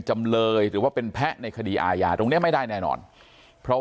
จำเลยหรือว่าเป็นแพะในคดีอาญาตรงเนี้ยไม่ได้แน่นอนเพราะ